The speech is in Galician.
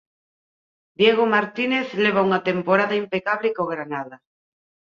Diego Martínez leva unha temporada impecable co Granada.